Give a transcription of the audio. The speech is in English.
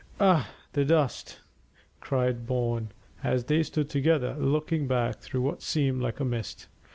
"Ugh! the dust!" cried Bourne, as they stood together looking back through what seemed like a mist.